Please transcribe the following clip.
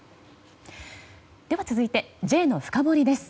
続いて、Ｊのフカボリです。